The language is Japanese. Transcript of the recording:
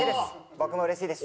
僕もうれしいです。